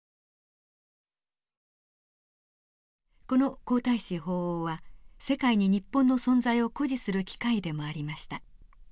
この皇太子訪欧は世界に日本の存在を誇示する機会でもありました。